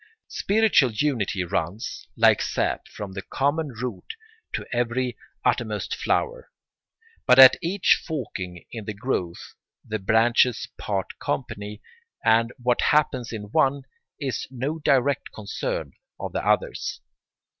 Spiritual unity runs, like sap, from the common root to every uttermost flower; but at each forking in the growth the branches part company, and what happens in one is no direct concern of the others.